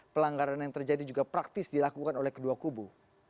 pelanggaran yang terjadi juga praktis dilakukan oleh kedua kubu